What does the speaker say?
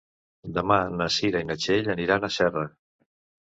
Demà na Cira i na Txell aniran a Serra.